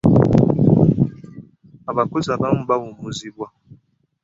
Abakozi abamu baawummuzibwa.